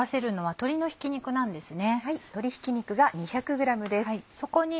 鶏ひき肉が２００ｇです。